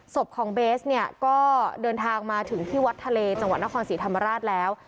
ศพของเบสเนี่ยก็เดินทางมาถึงที่วัดทะเลจังหวัดนครศรีธรรมราชแล้ว